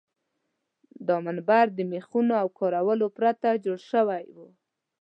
دا منبر د میخونو له کارولو پرته جوړ شوی و.